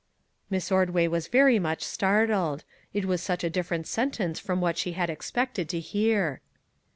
Miss Ordway was very much startled; it was such a different sentence from what she had expected to hear.